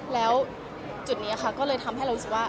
แล้วจุดนี้ค่ะก็เลยทำให้เรารู้สึกว่า